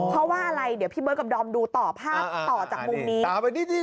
เพราะว่าอะไรเดี๋ยวพี่เบิร์ดกับดอมดูต่อภาพต่อจากมุมนี้